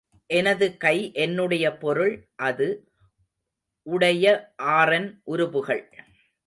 எனது கை, என்னுடைய பொருள் அது, உடைய ஆறன் உருபுகள்.